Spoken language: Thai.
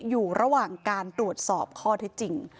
อยู่ระหว่างการตรวจสอบข้อเท็จจริง